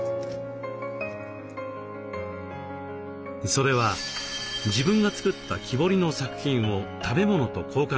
それは自分が作った木彫りの作品を食べ物と交換してもらうこと。